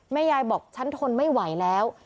ยายบอกฉันทนไม่ไหวแล้ว